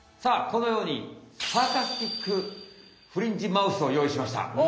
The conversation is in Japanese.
このようにサーカスティックフリンジマウスをよういしました。